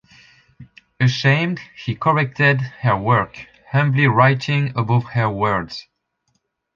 Ashamed, he corrected her work, humbly writing above her words.